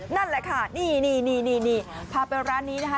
นั่นแหละค่ะนี่พาไปร้านนี้นะคะ